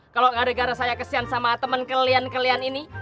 kalau gara gara saya kesian sama teman kalian kalian ini